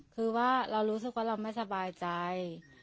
คือว่าเรารู้สึกว่าเราไม่สบายใจ